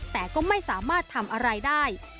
แต่ก็ไม่สามารถทำอะไรได้